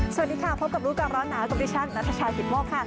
สวัสดีครับเพ้ากับรู้กับร้านหนากรบิชั่งนัทชาษิหิดมอคค่ะ